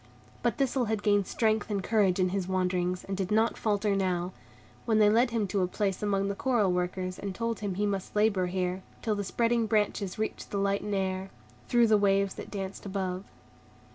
But Thistle had gained strength and courage in his wanderings, and did not falter now, when they led him to a place among the coral workers, and told him he must labor here, till the spreading branches reached the light and air, through the waves that danced above.